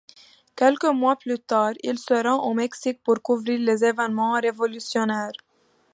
Quelques mois plus tard, il se rend au Mexique pour couvrir les évènements révolutionnaires.